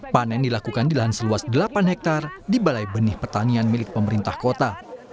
panen dilakukan di lahan seluas delapan hektare di balai benih pertanian milik pemerintah kota